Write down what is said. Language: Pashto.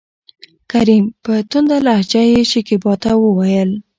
کريم : په تنده لهجه يې شکيبا ته وويل: